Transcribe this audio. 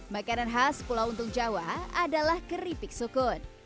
makanan khas pulau untung jawa adalah keripik sukun